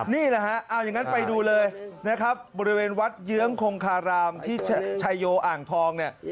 นี่แหละฮะเอาอย่างนั้นไปดูเลยนะครับบริเวณวัดเยื้องคงคารามที่ชายโยอ่างทองเนี่ย